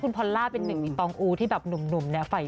รุ่นชายเค้านี้น่ารักมาก